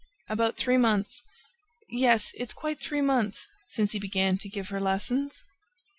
'" "About three months ... Yes, it's quite three months since he began to give her lessons."